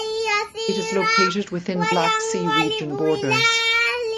It is located within Black Sea Region borders.